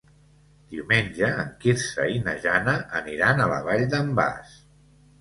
Diumenge en Quirze i na Jana aniran a la Vall d'en Bas.